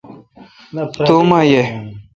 تو اوما یہ۔